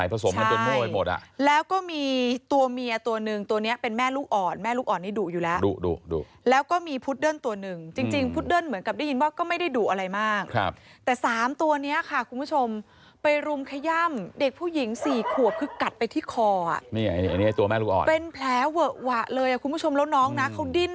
อ่าสุนัขไทยพันทางก็พวกเรียบอ่อโหไม่รู้ว่าพันไหนเป็นพันไหน